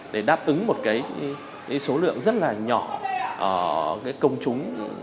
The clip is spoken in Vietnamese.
để đáp ứng một cái số lượng rất là nhỏ ở công chúng